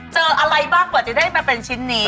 เจออะไรบ้างกว่าจะได้มาเป็นชิ้นนี้